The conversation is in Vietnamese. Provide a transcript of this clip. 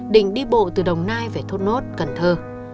định đi bộ từ đồng nai về trung quốc